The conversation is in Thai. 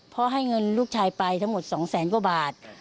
เพราะให้เงินลูกชายไปทั้งหมด๒แสนกว่าบาท